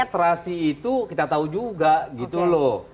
dan mengorgestrasi itu kita tahu juga gitu loh